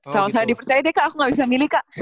sama sama dipercaya deh kak aku gak bisa milih kak